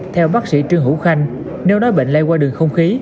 theo bác sĩ trương hữu khanh nếu nói bệnh lây qua đường không khí